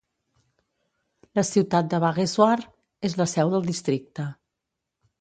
La ciutat de Bageshwar és la seu del districte.